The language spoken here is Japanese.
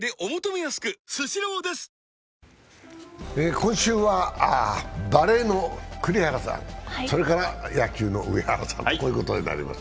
今週はバレーの栗原さん、それから野球の上原さんとこういうことになります。